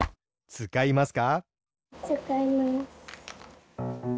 つかいます。